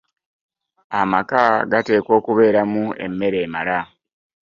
Amaka gateekwa okubeeramu emmere emala.